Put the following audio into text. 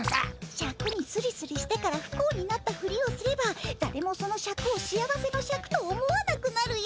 シャクにスリスリしてからふ幸になったフリをすればだれもそのシャクを幸せのシャクと思わなくなるよ。